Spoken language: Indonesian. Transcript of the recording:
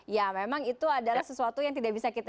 ya memang itu adalah sesuatu yang tidak bisa kita